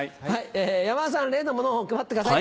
山田さん例のものを配ってください。